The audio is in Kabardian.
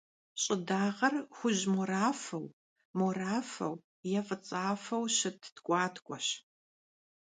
Ş'ıdağer — xuj - morafeu, morafeu yê f'ıts'afeu şıt tk'uatk'ueş.